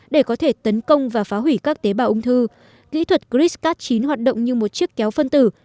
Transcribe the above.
để có thể tấn công và phá hủy các tế bào ung thư kỹ thuật christat chín hoạt động như một chiếc kéo phân tử